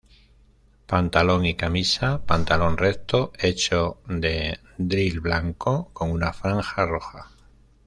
Pantalón y camisa: Pantalón recto hecho de drill blanco, con una franja roja.